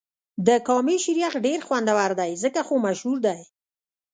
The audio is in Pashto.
د کامی شیر یخ ډېر خوندور دی ځکه خو مشهور دې.